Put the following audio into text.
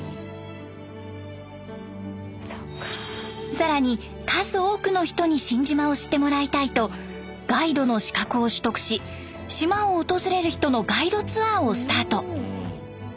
更に数多くの人に新島を知ってもらいたいとガイドの資格を取得し島を訪れる人のガイドツアーをスタート。